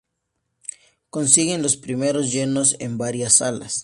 Consiguen los primeros llenos en varias salas.